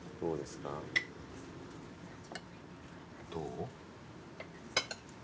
どう？